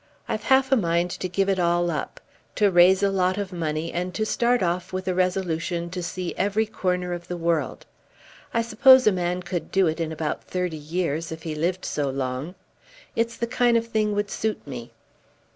I've half a mind to give it all up, to raise a lot of money, and to start off with a resolution to see every corner of the world. I suppose a man could do it in about thirty years if he lived so long. It's the kind of thing would suit me."